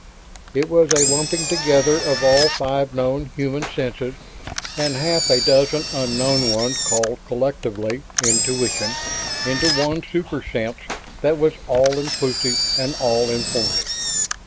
It was a lumping together of all five known human senses and half a dozen unknown ones called, collectively, "intuition" into one super sense that was all inclusive and all informative.